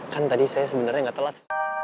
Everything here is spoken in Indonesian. kan tadi saya sebenernya gak telat